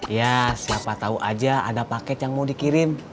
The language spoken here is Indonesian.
ya siapa tahu aja ada paket yang mau dikirim